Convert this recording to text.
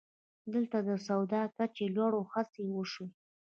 دلته د سواد کچې لوړولو هڅې وشوې